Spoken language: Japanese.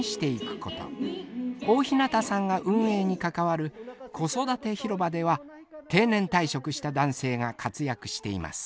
大日向さんが運営に関わる子育てひろばでは定年退職した男性が活躍しています。